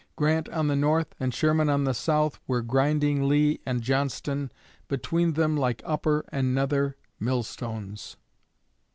Grant on the north and Sherman on the south were grinding Lee and Johnston between them like upper and nether millstones.